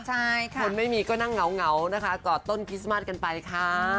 คนไม่มีก็นั่งเงานะคะกอดต้นคริสต์มาทกันไปค่ะ